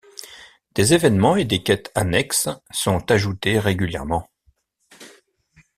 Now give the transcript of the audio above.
Des événements et des quêtes annexes sont ajoutés régulièrement.